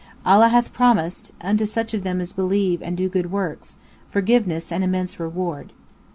Allah hath promised, unto such of them as believe and do good works, forgiveness and immense reward.